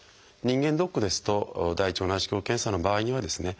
人間ドックですと大腸内視鏡検査の場合にはですね